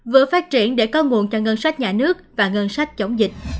vừa phát triển để có nguồn cho ngân sách nhà nước và ngân sách chống dịch